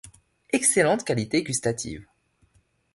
Excellente qualité gustative.